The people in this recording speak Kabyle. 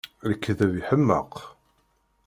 Lekdeb iḥemmeq!